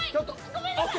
ごめんなさい。